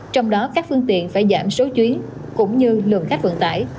trong đó các phương tiện phải giảm số chuyến cũng như lượng khách vận tải